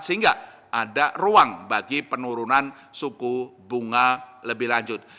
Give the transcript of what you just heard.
sehingga ada ruang bagi penurunan suku bunga lebih lanjut